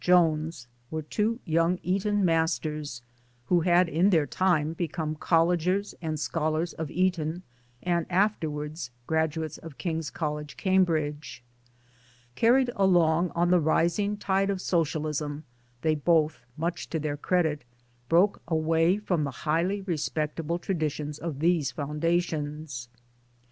Joynes, were two young Eton masters who had in their time been collegers and scholars of Eton and afterwards graduates of King's College, Cambridge. Carried along on the rising tide of Socialism they both (much to their credit) broke away from the highly respectable traditions of these foundations.